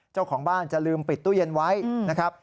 เจ้าของบ้านจะลืมปิดตู้เย็นไว้นะครับ